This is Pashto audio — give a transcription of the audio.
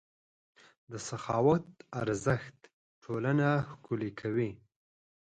د سخاوت ارزښت ټولنه ښکلې کوي.